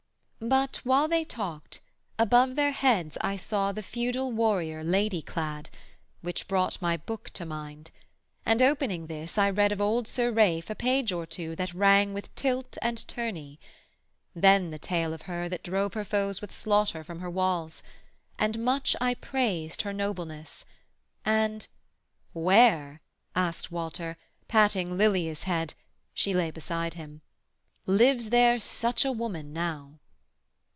But while they talked, above their heads I saw The feudal warrior lady clad; which brought My book to mind: and opening this I read Of old Sir Ralph a page or two that rang With tilt and tourney; then the tale of her That drove her foes with slaughter from her walls, And much I praised her nobleness, and 'Where,' Asked Walter, patting Lilia's head (she lay Beside him) 'lives there such a woman now?'